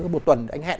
một tuần anh hẹn